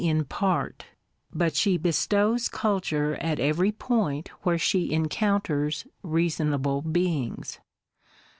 41 in part; but she bestows culture at every point where encounters reasonable beings.